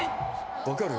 分かる？